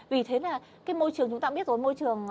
vì thế là cái môi trường chúng ta biết rồi